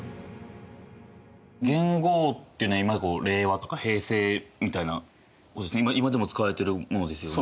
元号っていうのは令和とか平成みたいな今でも使われてるものですよね？